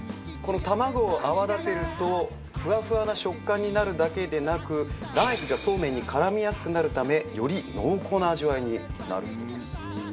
卵を泡立てるとふわふわな食感になるだけでなく卵液がそうめんに絡みやすくなるためより濃厚な味わいになるそうです。